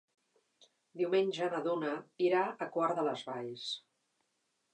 Diumenge na Duna irà a Quart de les Valls.